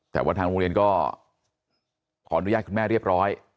แต่ว่าทางโรงเรียนก็ขออนุญาตคุณแม่เรียบร้อย